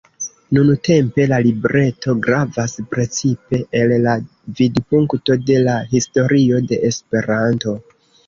Nuntempe la libreto gravas precipe el la vidpunkto de la historio de Esperanto.